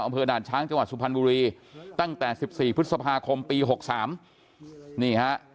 อำเภอด่านช้างจังหวัดสุพรรณบุรีตั้งแต่๑๔พฤษภาคมปี๖๓นี่ฮะ